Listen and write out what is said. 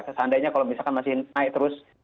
seandainya kalau misalkan masih naik terus